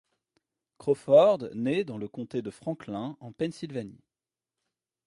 Crawford naît dans le comté de Franklin, en Pennsylvanie.